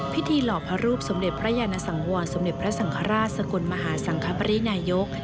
หล่อพระรูปสมเด็จพระยานสังวรสมเด็จพระสังฆราชสกลมหาสังคปรินายก